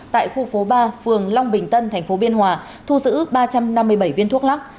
tại khu phố ba phường long bình tân tp biên hòa thu giữ ba trăm năm mươi bảy viên thuốc lắc